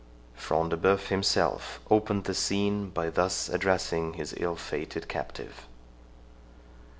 Front de Bœuf himself opened the scene by thus addressing his ill fated captive.